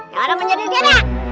nggak ada menjadi gila